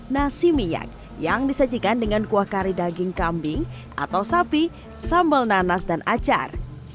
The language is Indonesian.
nasi minyak yang disajikan dengan kuah kari daging kambing atau sapi sambal nanas dan acar